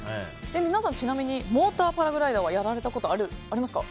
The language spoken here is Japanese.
皆さん、ちなみにモーターパラグライダーはやられたことありますか？